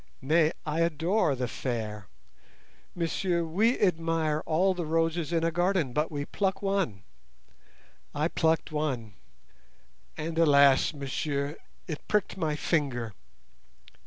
Nay, I adore the fair. Messieurs, we admire all the roses in a garden, but we pluck one. I plucked one, and alas, messieurs, it pricked my finger.